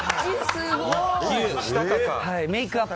すごーい！